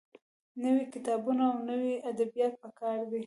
نوي کتابونه او نوي ادبيات پکار دي.